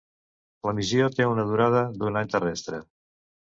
La missió té una durada d'un any terrestre.